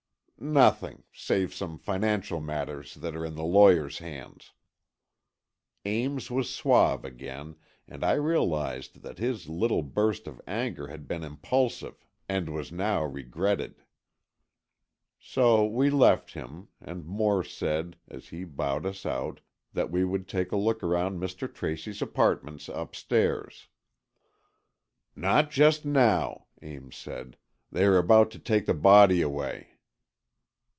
"Nothing, save some financial matters that are in the lawyers' hands." Ames was suave again, and I realized that his little burst of anger had been impulsive and was now regretted. So we left him, and Moore said, as he bowed us out, that we would take a look round Mr. Tracy's apartments upstairs. "Not just now," Ames said. "They are about to take the body away."